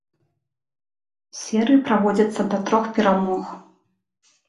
Серыі праводзяцца да трох перамог.